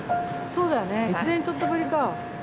そうだよね１年ちょっとぶりか。